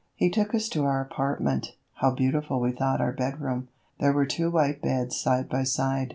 He took us to our apartment. How beautiful we thought our bedroom. There were two white beds side by side.